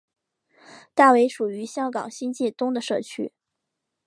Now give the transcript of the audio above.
大围属于香港新界东的社区。